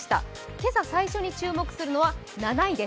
今朝、最初に注目するのは７位です。